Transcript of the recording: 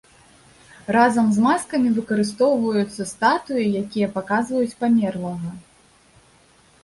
Разам з маскамі выкарыстоўваюцца статуі, якія паказваюць памерлага.